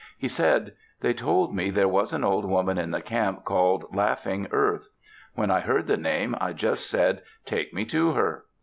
He said, "They told me there was an old woman in the camp called Laughing Earth. When I heard the name, I just said, 'Take me to her!'